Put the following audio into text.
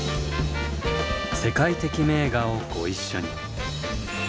世界的名画をご一緒に。